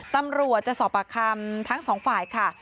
ตำรวจจะสอบปากคำทั้งสองฝ่ายค่ะ